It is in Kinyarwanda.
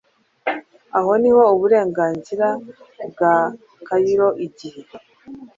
aho ni Uburengerazuba bwa CairoIGIHE